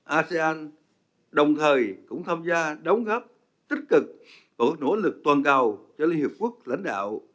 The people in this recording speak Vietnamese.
asean đồng thời cũng tham gia đóng góp tích cực và nỗ lực toàn cầu cho liên hiệp quốc lãnh đạo